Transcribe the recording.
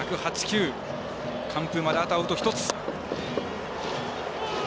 完封まであとアウト１つ。